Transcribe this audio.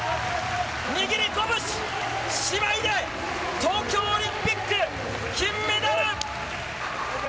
握り拳、姉妹が東京オリンピック金メダル！